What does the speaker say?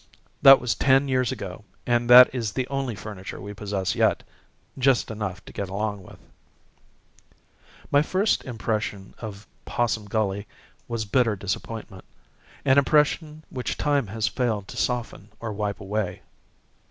That was ten years ago, and that is the only furniture we possess yet just enough to get along with. My first impression of Possum Gully was bitter disappointment an impression which time has failed to soften or wipe away.